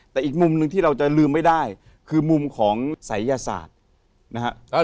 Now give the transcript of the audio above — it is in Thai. แต่อีกมุมหนึ่งที่เราจะลืมไม่ได้คือมุมของศัยยศาสตร์นะฮะ